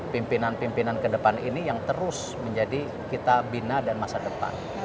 pimpinan pimpinan ke depan ini yang terus menjadi kita bina dan masa depan